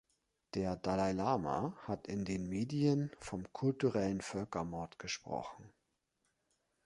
Der Dalai Lama hat in den Medien vom kulturellen Völkermord gesprochen.